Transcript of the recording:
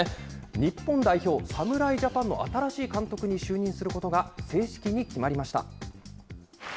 日本代表、侍ジャパンの新しい監督に就任することが正式に決まりました。